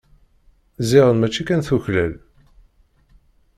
Ziɣen mačči kan tuklal.